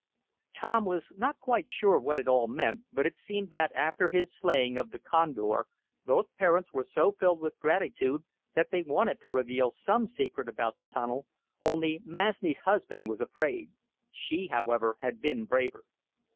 Tom was not quite sure what it all meant, but it seemed that after his slaying of the condor both parents were so filled with gratitude that they wanted to reveal some secret about the tunnel, only Masni's husband was afraid. She, however, had been braver.